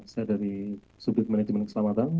saya dari subjek manajemen keselamatan